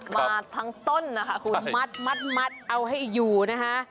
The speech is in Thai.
มาทั้งต้นนะคะคุณมัดเอาให้อยู่นะคะ